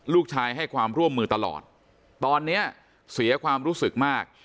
ให้ความร่วมมือตลอดตอนนี้เสียความรู้สึกมาก